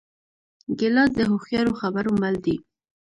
ګیلاس د هوښیارو خبرو مل دی.